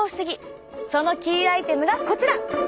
そのキーアイテムがこちら！